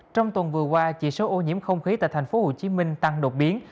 trong tuần vừa qua chỉ số ô nhiễm không khí tại thành phố hồ chí minh tăng đột biến